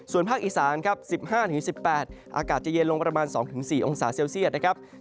ส่วนภาคอีสานครับ๑๕๑๘อากาศจะเย็นลงประมาณ๒๔องศาเซลเซียตนะครับ